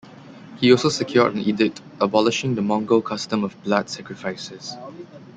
He also secured an edict abolishing the Mongol custom of blood-sacrifices.